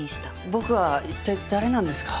僕は一体誰なんですか？